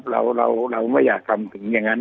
เราไม่อยากทำถึงอย่างนั้น